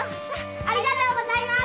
ありがとうございます！